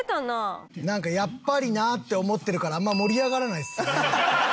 なんかやっぱりなあって思ってるからあんま盛り上がらないっすね。